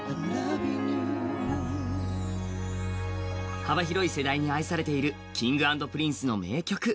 幅広い世代に愛されているＫｉｎｇ＆Ｐｒｉｎｃｅの名曲。